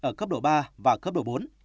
ở cấp độ ba và cấp độ bốn